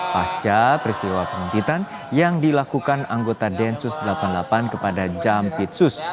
pasca peristiwa penumpitan yang dilakukan anggota densus delapan puluh delapan kepada jampitsus